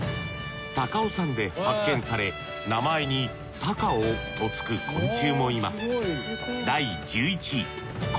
高尾山で発見され名前にタカオとつく昆虫もいます